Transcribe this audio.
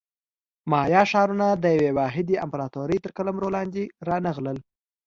مایا ښارونه د یوې واحدې امپراتورۍ تر قلمرو لاندې رانغلل.